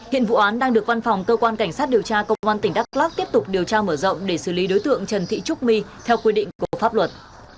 hiện vụ án đang được văn phòng cơ quan cảnh sát điều tra công an tỉnh đắk lắc tiếp tục điều tra mở rộng để xử lý đối tượng trần thị trúc my theo quy định của pháp luật